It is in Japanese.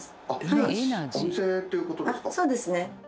そうですね。